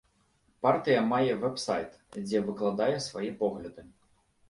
Партыя мае вэб-сайт, дзе выкладае свае погляды.